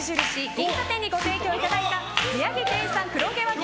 銀座店にご提供いただいた宮城県産黒毛和牛